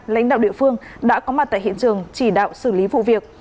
lãnh đạo địa phương đã có mặt tại hiện trường chỉ đạo xử lý vụ việc